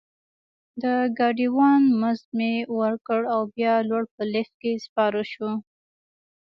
د ګاډي وان مزد مې ورکړ او بیا لوړ په لفټ کې سپاره شوو.